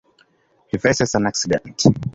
He faces an accident.